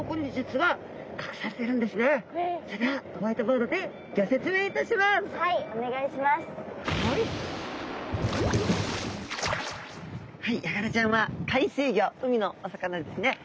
はいヤガラちゃんは海水魚海のお魚ですね。